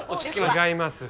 違います